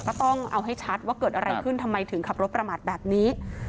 ก็ต้องเอาให้ชัดว่าเกิดอะไรขึ้นทำไมถึงขับรถประมาทแบบนี้